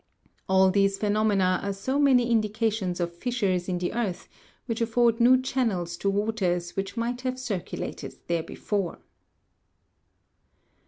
All these phenomena are so many indications of fissures in the earth, which afford new channels to waters which might have circulated there before.